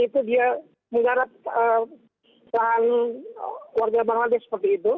itu dia menggarap lahan warga bangladesh seperti itu